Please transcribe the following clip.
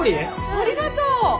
ありがとう。